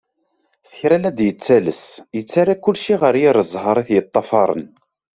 S kra la d-yettales, yettarra kulci ɣer yir ẓẓher i t-yeṭṭafaren.